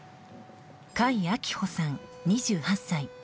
甲斐秋帆さん、２８歳。